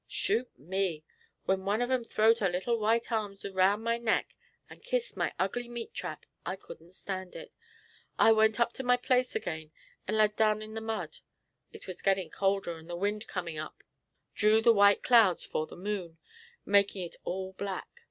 Shoot me! when one of 'em throwed her little white arms round my neck and kissed my ugly meat trap, I couldn't stand it. I went up to my place again and lad down in the mud. "It was gettin' colder, and the wind comin' up, drew the white clouds 'fore the moon, makin' it all black.